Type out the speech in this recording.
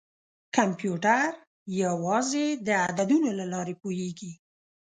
کمپیوټر یوازې د عددونو له لارې پوهېږي.